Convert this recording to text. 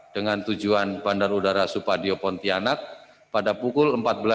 dengan tujuan bandar udara supadio pontianak pada pukul empat belas dua puluh